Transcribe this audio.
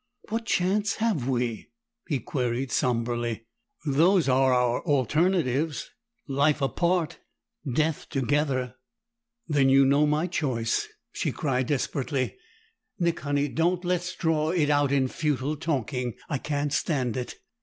"What chance have we?" he queried somberly. "Those are our alternatives life apart, death together." "Then you know my choice!" she cried desperately. "Nick, Honey don't let's draw it out in futile talking! I can't stand it!"